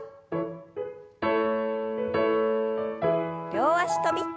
両脚跳び。